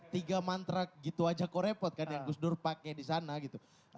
tiga mantra gitu aja kok repot kan yang gus dur pake disana gitu